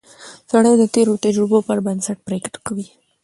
سړی د تېرو تجربو پر بنسټ پریکړه کوي